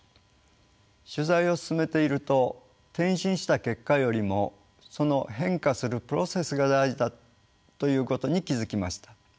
取材を進めていると転身した結果よりもその変化するプロセスが大事だということに気付きました。